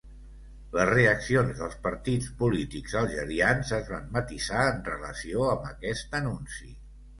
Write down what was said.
Les reaccions dels partits polítics algerians es van matisar en relació amb aquest anunci.